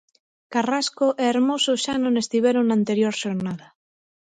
Carrasco e Hermoso xa non estiveron na anterior xornada.